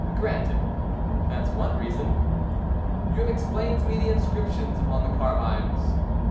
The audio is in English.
"Granted. That's one reason." "You have explained to me the inscriptions upon the carbines."